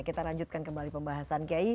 kita lanjutkan kembali pembahasan kiai